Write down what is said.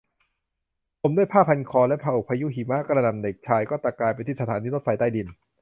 ห่อด้วยผ้าพันคอและถูกพายุหิมะกระหน่ำเด็กชายก็ตะกายไปที่สถานีรถไฟใต้ดิน